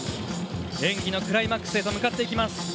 演技のクライマックスへと向かっていきます。